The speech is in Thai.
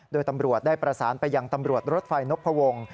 โดยตำรวจได้ประสานไปยังตำรวจรถไฟนพวง